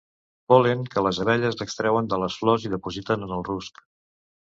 Pol·len que les abelles extreuen de les flors i dipositen en el rusc.